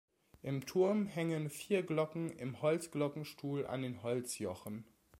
Im Turm hängen vier Glocken im Holzglockenstuhl an Holzjochen.